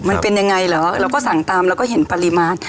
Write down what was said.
มันเป็นยังไงเหรอเราก็สั่งตามเราก็เห็นปริมาณ